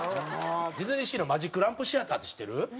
ディズニーシーのマジックランプシアターって知ってる？